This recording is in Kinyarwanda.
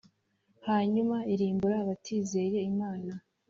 hanyuma irimbura abatizeye imana